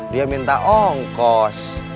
dia minta ongkos